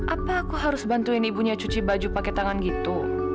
apa aku harus bantuin ibunya cuci baju pakai tangan gitu